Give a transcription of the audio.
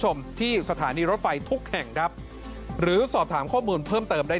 ชมที่สถานีรถไฟทุกแห่งครับหรือสอบถามข้อมูลเพิ่มเติมได้